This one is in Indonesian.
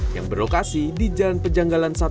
yang berlokasi di jalan pejanggalan satu